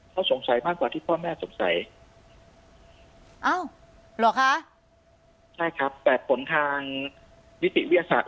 เขาสงสัยมากกว่าที่พ่อแม่สงสัยเอ้าเหรอคะใช่ครับแต่ผลทางนิติวิทยาศาสต